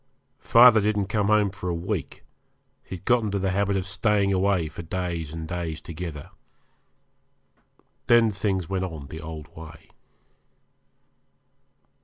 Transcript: Father didn't come home for a week he had got into the habit of staying away for days and days together. Then things went on the old way.